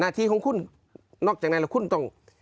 หน้าที่ของคุณนอกจากนั้นคุณต้อง